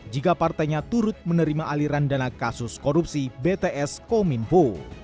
jika partainya turut menerima aliran dana kasus korupsi bts kominfo